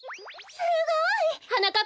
すごい！はなかっ